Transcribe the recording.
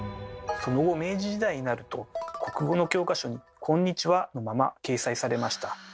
その後明治時代になると国語の教科書に「今日は」のまま掲載されました。